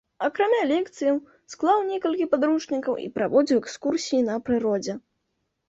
Акрамя лекцыяў, склаў некалькі падручнікаў і праводзіў экскурсіі на прыродзе.